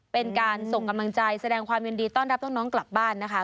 เป็นการส่งกำลังใจแสดงความยินดีต้อนรับน้องกลับบ้านนะคะ